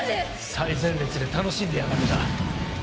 最前列で楽しんでやがるんだ。